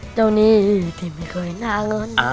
หนี้ที่ไม่เคยหน้าเงิน